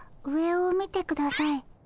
上を見てください。